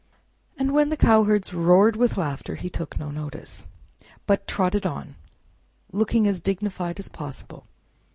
And when the cowherds roared with laughter he took no notice, but trotted on, looking as dignified as possible.